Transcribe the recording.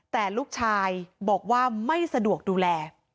แต่ลูกชายบอกว่าไม่สะดวกดูแล